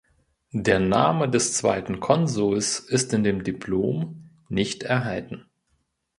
Der Name des zweiten Konsuls ist in dem Diplom nicht erhalten.